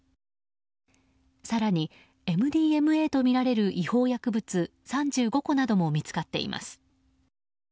更にＭＤＭＡとみられる違法薬物３５個なども見つかっています。